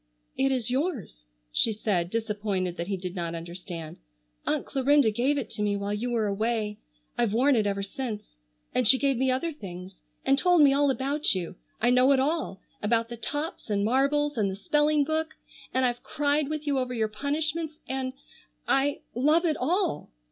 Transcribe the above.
"It is yours," she said, disappointed that he did not understand. "Aunt Clarinda gave it to me while you were away. I've worn it ever since. And she gave me other things, and told me all about you. I know it all, about the tops and marbles, and the spelling book, and I've cried with you over your punishments, and—I—love it all!"